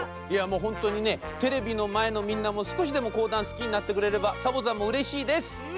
いやもうほんとにねテレビのまえのみんなもすこしでもこうだんすきになってくれればサボざんもうれしいです！